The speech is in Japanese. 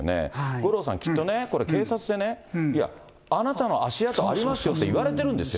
五郎さん、きっとね、警察でね、あなたの足跡ありますよって言われてるんですよ。